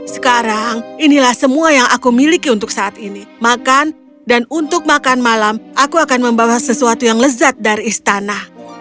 sekarang inilah semua yang aku miliki untuk saat ini makan dan untuk makan malam aku akan membawa sesuatu yang lezat dari istana